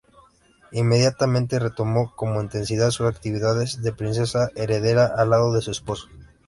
Inmediatamente, retomó con intensidad sus actividades de princesa heredera al lado de su esposo.